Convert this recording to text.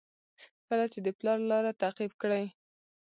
کله چې د پلار لاره تعقیب کړئ.